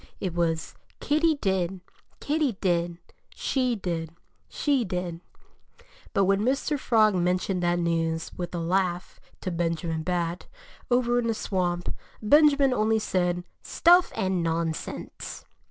It was Kitty did, Kitty did; she did, she did! But when Mr. Frog mentioned that news, with a laugh, to Benjamin Bat, over in the swamp, Benjamin only said, "Stuff and nonsense!"